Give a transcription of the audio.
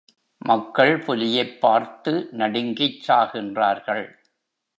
மக்கள் புலியைப் பார்த்து நடுங்கிச் சாகின்றார்கள்.